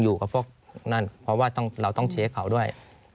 อยู่กับพวกนั่นเพราะว่าเราต้องเช็คเขาด้วย